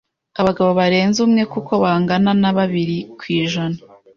abagabo barenze umwe kuko bangana na babiri kwijana